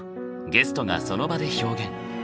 ゲストがその場で表現。